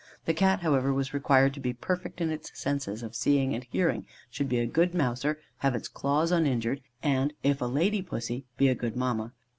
The Cat, however, was required to be perfect in its senses of seeing and hearing, should be a good mouser, have its claws uninjured, and, if a lady pussy, be a good mamma.